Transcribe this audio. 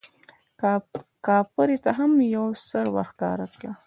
کاپري ته هم یو سر ورښکاره کړه.